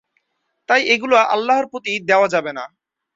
তাই এগুলো আল্লাহর প্রতি দেওয়া যাবে না।